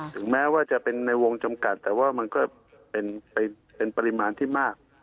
ถึงแม้ว่าจะเป็นในวงจำกัดแต่ว่ามันก็เป็นปริมาณที่มาก